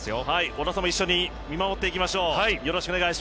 織田さんも一緒に見守っていきましょう。